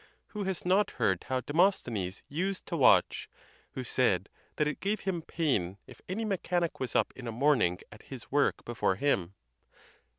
Who has not heard how Demosthenes used to watch, who said that it gave him pain if any mechanic was up in a morning at his work before him?